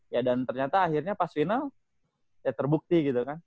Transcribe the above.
ya dan ternyata akhirnya pas final ya terbukti gitu kan